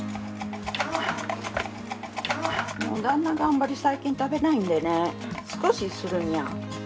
もう旦那があんまり最近食べないんでね少しするんや。